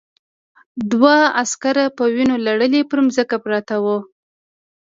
دوه عسکر په وینو لړلي پر ځمکه پراته وو